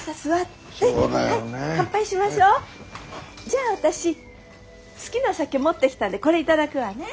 じゃあ私好きな酒持ってきたんでこれ頂くわね。